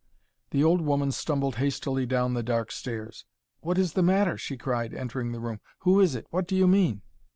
The old woman stumbled hastily down the dark stairs. "What is the matter?" she cried, entering the room. "Who is it? What do you mean?"